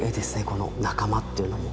この「仲間」っていうのも。